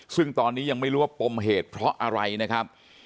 ซึ่งตอนนี้ยังไม่รู้ว่าปมเหตุเพราะอะไรนะครับ